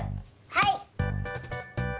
はい！